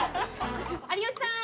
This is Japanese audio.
有吉さん。